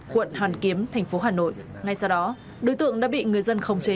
quận hoàn kiếm tp hà nội ngay sau đó đối tượng đã bị người dân khống chế